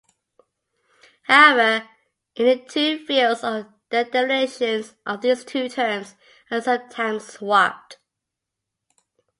However, in the two fields, the definitions of these two terms are sometimes swapped.